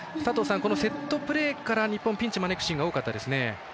セットプレーから日本ピンチを招くシーン多かったですね。